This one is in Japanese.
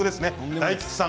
大吉さん